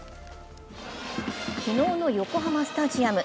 昨日の横浜スタジアム。